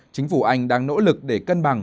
chính phủ anh đang nỗ lực để cân bằng